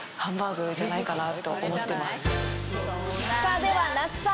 では那須さん